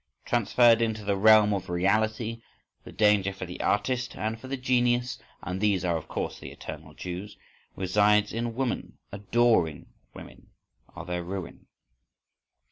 —Transferred into the realm of reality, the danger for the artist and for the genius—and these are of course the "eternal Jews"—resides in woman: adoring women are their ruin.